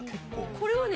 これはね